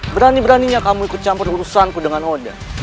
berani beraninya kamu ikut campur urusanku dengan oda